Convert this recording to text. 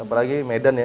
apalagi medan ya